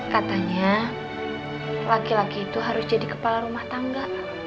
katanya laki laki itu harus jadi kepala rumah tangga